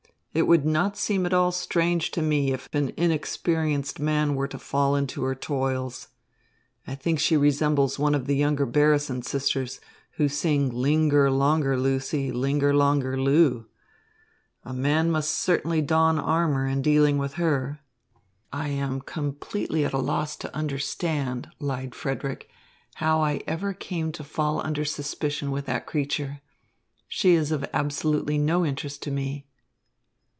"It would not seem at all strange to me if an inexperienced man were to fall into her toils. I think she resembles one of the younger Barrison sisters, who sing 'Linger Longer Lucy, Linger Longer Loo.' A man must certainly don armour in dealing with her." "I am completely at a loss to understand," lied Frederick, "how I ever came to fall under suspicion with that creature. She is of absolutely no interest to me."